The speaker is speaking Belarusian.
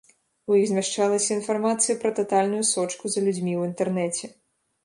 У іх змяшчалася інфармацыя пра татальную сочку за людзьмі ў інтэрнэце.